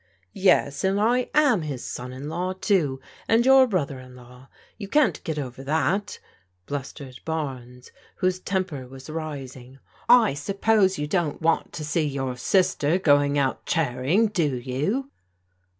" Yes, and I am his son in law, too, and your brother in law! You can't get over that!" blustered Barnes, whose temper was rising. " I suppose you don't want to see your sister going out charing, do you